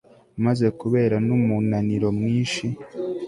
maze kubera numunaniro mwinshi